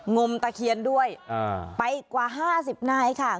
มตะเคียนด้วยไปกว่า๕๐นายค่ะ